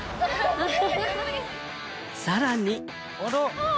さらに。